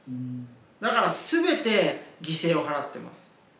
だから全て犠牲を払ってます。